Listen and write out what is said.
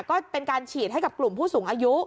ก็เป็นการฉีดให้กับกลุ่มผู้สูงอายุ